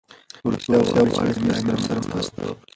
روسیه غواړي چي له امیر سره مرسته وکړي.